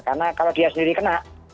karena kalau dia sendiri kena